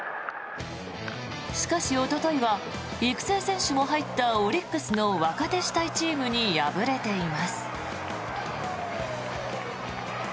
しかし、おとといは育成選手も入ったオリックスの若手主体チームに敗れています。